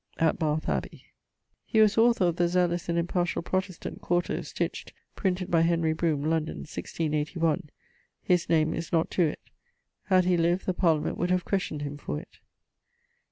at Bath abbey. He was author of The zealous and impartiall Protestant, 4to, stitch't, printed by Henry Brome, London, 16<81>: his name is not to it. Had he lived the Parliament would have questioned him for it.